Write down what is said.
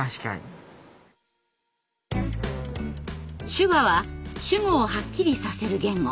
手話は主語をはっきりさせる言語。